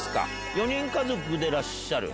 ４人家族でらっしゃる？